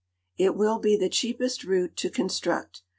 It will be the cheapest route to construct.